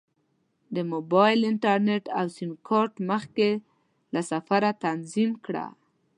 د موبایل انټرنیټ او سیم کارت مخکې له سفره تنظیم کړه.